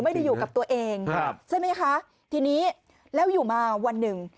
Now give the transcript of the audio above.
ไม่ได้อยู่กับตัวเองครับใช่ไหมคะทีนี้แล้วอยู่มาวันหนึ่ง